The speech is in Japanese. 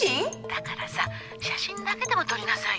☎だからさ写真だけでも撮りなさいよ。